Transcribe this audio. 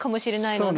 ので